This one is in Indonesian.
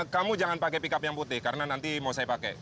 kamu jangan pakai pickup yang putih karena nanti mau saya pakai